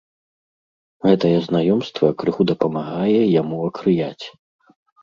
Гэтае знаёмства крыху дапамагае яму акрыяць.